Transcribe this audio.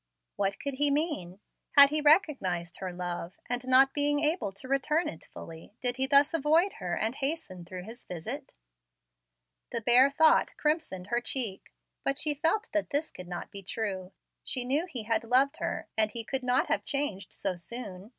What could he mean? Had he recognized her love, and, not being able to return it fully, did he thus avoid her and hasten through his visit? The bare thought crimsoned her cheek. But she felt that this could not be true. She knew he had loved her, and he could not have changed so soon.